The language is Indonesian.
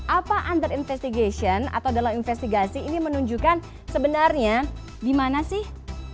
apa under investigation atau dalam investigasi ini menunjukkan sebenarnya di mana sih